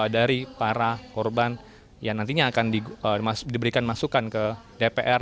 dari para korban yang nantinya akan diberikan masukan ke dpr